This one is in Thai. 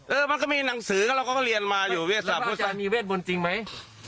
เออมันก็มีหนังสือแล้วเราก็เรียนมาอยู่เวชศาสตร์แล้วพระอาจารย์มีเวทมนตร์จริงไหม